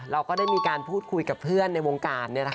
เราก็ได้มีการพูดคุยกับเพื่อนในวงการ